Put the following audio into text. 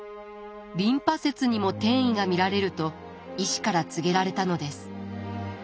リンパ節にも転移が見られると医師から告げられたのです。